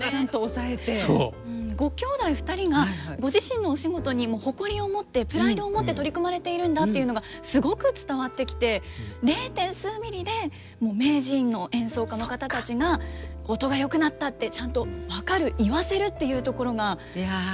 ご兄弟２人がご自身のお仕事に誇りを持ってプライドを持って取り組まれているんだっていうのがすごく伝わってきて０．数ミリで名人の演奏家の方たちが「音がよくなった」ってちゃんと分かる言わせるっていうところがプロだなという。